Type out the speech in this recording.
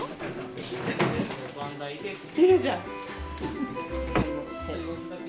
いるじゃん！